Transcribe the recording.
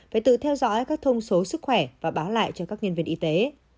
phải tự theo dõi các thông số sức khỏe và báo lại cho các nhân viên y tế